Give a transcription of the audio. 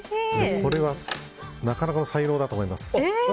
これはなかなかの才能だと思います。